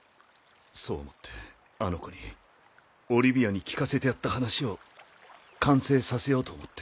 そう思ってあの子にオリビアに聞かせてやった話を完成させようと思って。